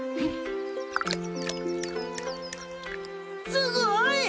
すごい！